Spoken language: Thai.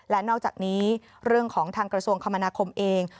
และนอกจากนี้เรื่องของทางกระทรวงคมนาคมเอง